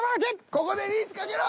ここでリーチかけろ！